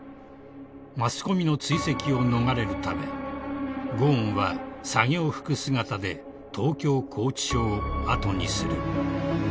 ［マスコミの追跡を逃れるためゴーンは作業服姿で東京拘置所を後にする］